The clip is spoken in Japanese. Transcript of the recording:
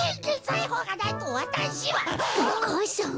お母さん！？